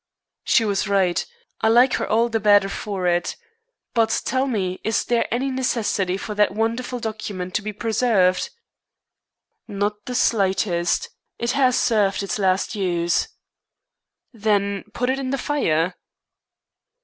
"She was right. I like her all the better for it. But, tell me, is there any necessity for that wonderful document to be preserved?" "Not the slightest. It has served its last use." "Then put it in the fire."